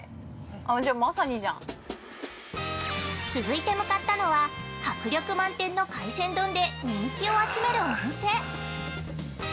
◆続いて向かったのは迫力満点の海鮮丼で人気を集めるお店！